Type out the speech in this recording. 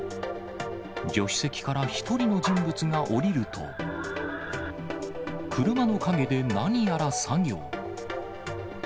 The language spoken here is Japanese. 助手席から１人の人物が降りると、車の陰で何やら作業。